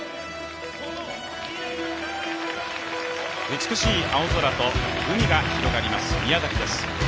美しい青空と海が広がります宮崎です、